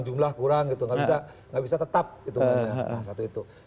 jumlah kurang gitu